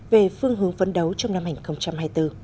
về phương hướng vấn đấu trong năm hai nghìn hai mươi bốn